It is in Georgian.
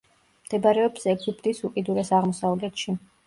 მდებარეობს ეგვიპტის უკიდურეს აღმოსავლეთში.